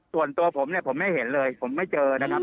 ส่วนตัวผมเนี่ยผมไม่เห็นเลยผมไม่เจอนะครับ